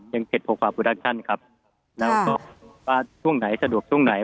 ยังเผ็ดโปรควาครับแล้วก็ว่าช่วงไหนสะดวกช่วงไหน